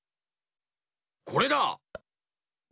これだ！